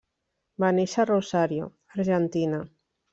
Va néixer a Rosario, Argentina.